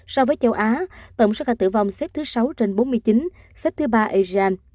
so với châu á tổng số ca tử vong xếp thứ sáu trên bốn mươi chín xếp thứ ba asean